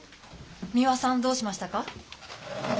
三輪さんどうしましたか？